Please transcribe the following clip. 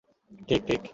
ঠিক, ঠিক।